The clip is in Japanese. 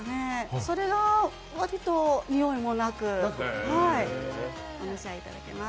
それが割とにおいもなく、お召し上がりいただけます。